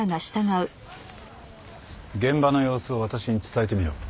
現場の様子を私に伝えてみろ。